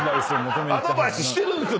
アドバイスしてるんですよ！